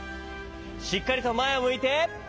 しっかりとまえをむいて！